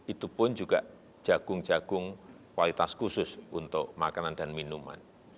itu pun juga jagung jagung kualitas khusus untuk makanan dan minuman